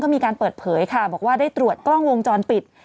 มีการเปิดเผยค่ะบอกว่าได้ตรวจกล้องวงจรปิด